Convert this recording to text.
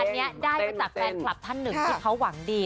อันนี้ได้มาจากแฟนคลับท่านหนึ่งที่เขาหวังดี